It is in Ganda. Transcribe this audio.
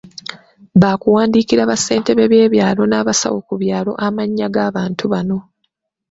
Baakuwandiikira bassentebe b’ebyalo n’abasawo ku byalo amannya g’abantu bano.